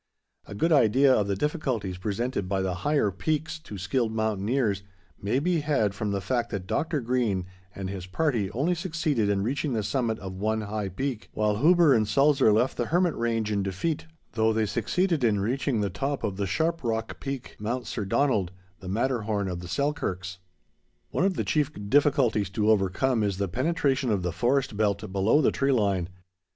A good idea of the difficulties presented by the higher peaks to skilled mountaineers may be had from the fact that Dr. Green and his party only succeeded in reaching the summit of one high peak, while Huber and Sulzer left the Hermit Range in defeat, though they succeeded in reaching the top of the sharp rock peak, Mount Sir Donald, the Matterhorn of the Selkirks. One of the chief difficulties to overcome is the penetration of the forest belt below the tree line.